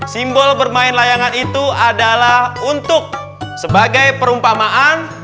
simbol bermain layangan itu adalah untuk sebagai perumpamaan